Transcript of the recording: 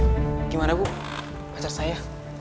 bagaimana bu pacar saya